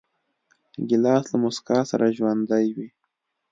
ګیلاس له موسکا سره ژوندی وي.